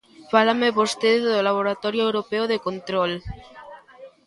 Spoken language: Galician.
Fálame vostede do Laboratorio europeo de control.